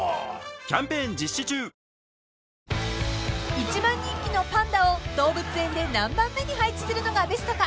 ［一番人気のパンダを動物園で何番目に配置するのがベストか］